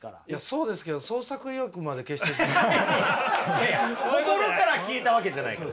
いやいや心から消えたわけじゃないから。